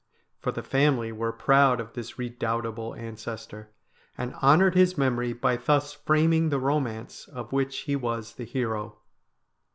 For the family were proud of this redoubtable ancestor, and honoured his memory by thus framing the romance of which he was the hero.